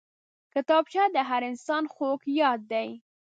کتابچه د هر انسان خوږ یاد دی